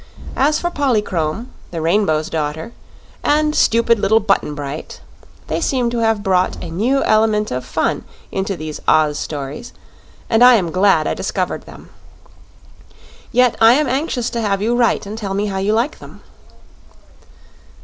As for Polychrome the Rainbow's Daughter and stupid little Button Bright, they seem to have brought a new element of fun into these Oz stories, and I am glad I discovered them. Yet I am anxious to have you write and tell me how you like them.